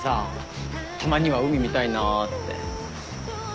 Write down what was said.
たまには海見たいなって。